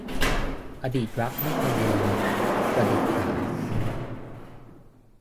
อดีตรักไม่เคยลืม - ประดิษฐา